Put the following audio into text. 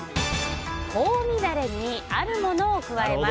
香味ダレにあるものを加えます。